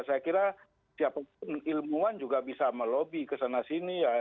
saya kira siapapun ilmuwan juga bisa melobi kesana sini